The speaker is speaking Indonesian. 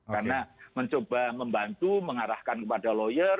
karena mencoba membantu mengarahkan kepada lawyer